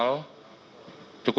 kalau boleh tahu pak